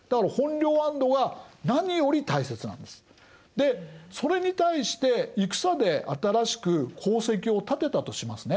でそれに対して戦で新しく功績を立てたとしますね。